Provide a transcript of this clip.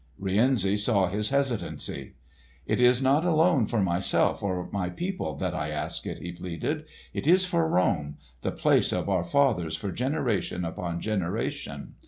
Rienzi saw his hesitancy. "It is not alone for myself or my people that I ask it," he pleaded; "it is for Rome—the place of our fathers for generation upon generation.